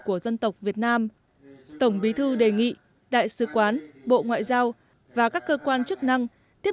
của dân tộc việt nam tổng bí thư đề nghị đại sứ quán bộ ngoại giao và các cơ quan chức năng tiếp